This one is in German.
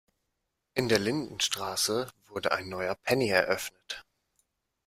In der Lindenstraße wurde ein neuer Penny eröffnet.